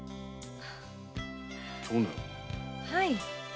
はい。